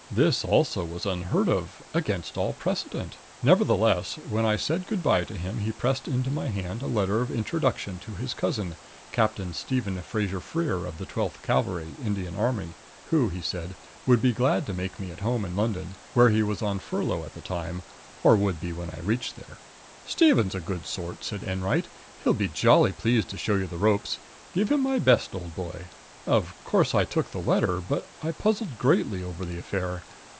This, also, was unheard of against all precedent. Nevertheless, when I said good by to him he pressed into my hand a letter of introduction to his cousin, Captain Stephen Fraser Freer, of the Twelfth Cavalry, Indian Army, who, he said, would be glad to make me at home in London, where he was on furlough at the time or would be when I reached there. "Stephen's a good sort," said Enwright. "He'll be jolly pleased to show you the ropes. Give him my best, old boy!" Of course I took the letter. But I puzzled greatly over the affair.